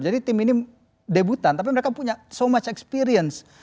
jadi tim ini debutan tapi mereka punya so much experience